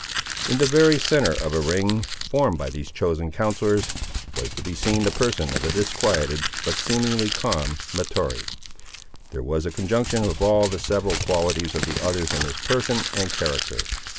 In the very centre of a ring, formed by these chosen counsellors, was to be seen the person of the disquieted, but seemingly calm, Mahtoree. There was a conjunction of all the several qualities of the others in his person and character.